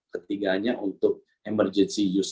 ketiganya untuk emergency use